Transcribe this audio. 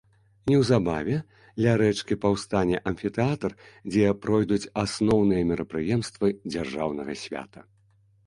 Неўзабаве ля рэчкі паўстане амфітэатр, дзе пройдуць асноўныя мерапрыемствы дзяржаўнага свята.